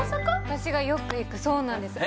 私がよく行くそうなんです